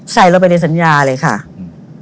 ใส่ออกไปในสัญญาเลยท่าน